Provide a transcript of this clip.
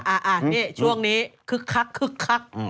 อะนี่ช่วงนี้คึกคัก